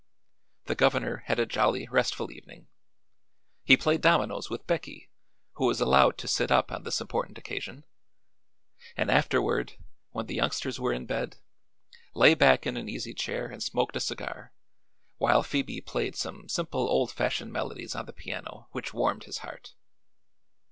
The governor had a jolly, restful evening. He played dominoes with Becky, who was allowed to sit up on this important occasion, and afterward, when the youngsters were in bed, lay back in an easy chair and smoked a cigar while Phoebe played some simple old fashioned melodies on the piano which warmed his heart.